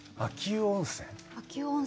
秋保温泉。